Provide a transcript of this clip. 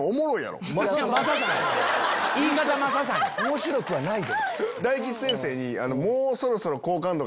面白くはないで。わ！